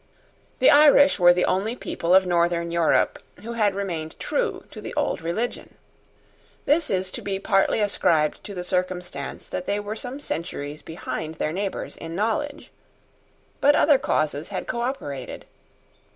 The Irish were the only people of northern Europe who had remained true to the old religion. This is to be partly ascribed to the circumstance that they were some centuries behind their neighbours in knowledge. But other causes had cooperated.